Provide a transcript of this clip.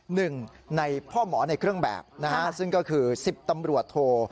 หนึ่งในพ่อหมอในเครื่องแบบนะฮะซึ่งก็คือ๑๐ตำรวจโท